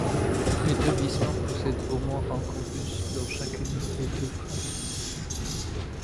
L'établissement possède au moins un campus dans chacune des de France.